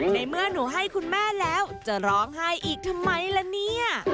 ในเมื่อหนูให้คุณแม่แล้วจะร้องไห้อีกทำไมล่ะเนี่ย